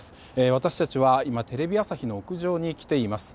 私たちは今テレビ朝日の屋上に来ています。